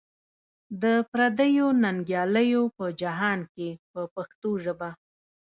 د پردیو ننګیالیو په جهان کې په پښتو ژبه.